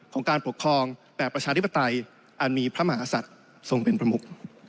ของการปกครองแบบประชาธิปไตยอันมีพระมหาศัตริย์ทรงเป็นประมุก